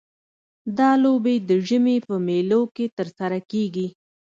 دا لوبې د ژمي په میلوں کې ترسره کیږي